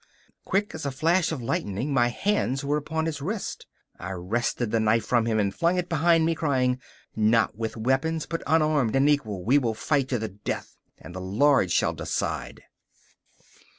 Quick as a flash of lightning my hand was upon his wrist. I wrested the knife from him and flung it behind me, crying: 'Not with weapons, but unarmed and equal, we will fight to the death, and the Lord shall decide!